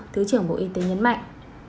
thứ trưởng bộ y tế nhấn mạnh